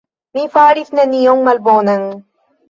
Mi faris nenion malbonan.